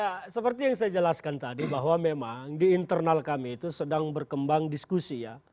ya seperti yang saya jelaskan tadi bahwa memang di internal kami itu sedang berkembang diskusi ya